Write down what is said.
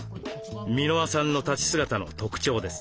箕輪さんの立ち姿の特徴です。